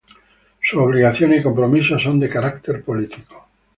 Sus obligaciones y compromisos son de carácter político.